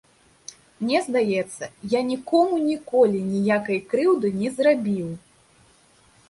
Мне здаецца, я нікому ніколі ніякай крыўды не зрабіў.